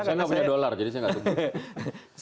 saya nggak punya dolar jadi saya nggak sebut